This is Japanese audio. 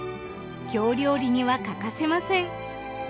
京料理には欠かせません。